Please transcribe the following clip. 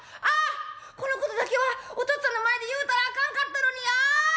あこのことだけはおとっつぁんの前で言うたらあかんかったのに。